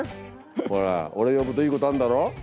ほら俺呼ぶといいことあんだろ。